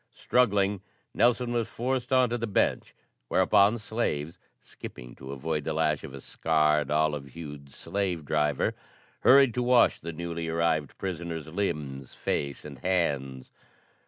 Struggling, Nelson was forced on to the bench, whereupon slaves, skipping to avoid the lash of a scarred, olive hued slave driver, hurried to wash the newly arrived prisoner's limbs, face and hands.